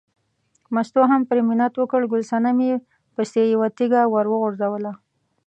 مستو هم پرې منت وکړ، ګل صنمې پسې یوه تیږه ور وغورځوله.